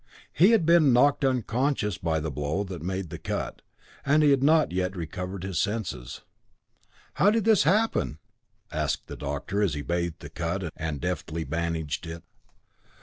He had been knocked unconscious by the blow that made the cut, and he had not yet recovered his senses. "How did this happen?" asked the doctor as he bathed the cut and deftly bandaged it.